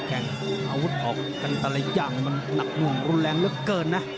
อาวุธของกันตะละอย่างมันหนักหน่วงรุนแรงเยอะเกินนะ